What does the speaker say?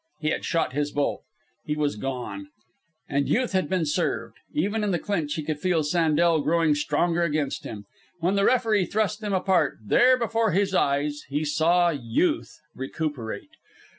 He had shot his bolt. He was gone. And Youth had been served. Even in the clinch he could feel Sandel growing stronger against him. When the referee thrust them apart, there, before his eyes, he saw Youth recuperate.